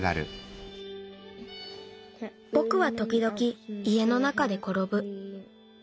ぼくはときどきいえの中でころぶ。